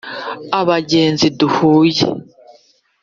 Abagenzi duhuye